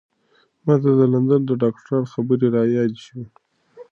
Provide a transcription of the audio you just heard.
ما ته د لندن د ډاکتر خبرې را په یاد شوې.